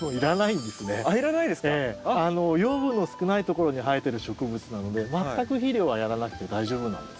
養分の少ないところに生えてる植物なので全く肥料はやらなくて大丈夫なんです。